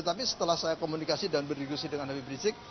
tapi setelah saya komunikasi dan berdiskusi dengan habib rizik